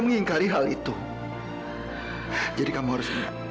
enggak kak fadil mila mohon